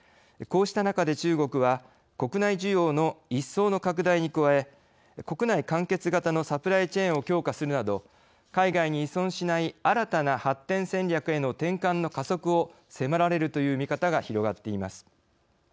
こうした中で中国は国内需要の一層の拡大に加え国内完結型のサプライチェーンを強化するなど海外に依存しない新たな発展戦略への転換の加速を迫られるという見方が広がっています。